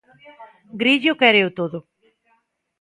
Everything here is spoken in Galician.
Grillo quéreo todo.